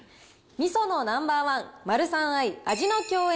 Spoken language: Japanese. みそのナンバー１、マルサンアイ味の饗宴